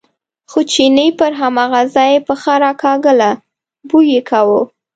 خو چیني پر هماغه ځای پښه راکاږله، بوی یې کاوه.